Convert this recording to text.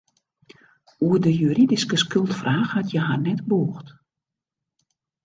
Oer de juridyske skuldfraach hat hja har net bûgd.